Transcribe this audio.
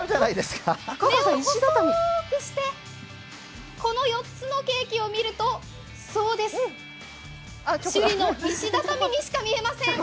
目を細くしてこの４つのケーキを見るとそうです、首里の石畳にしか見えません！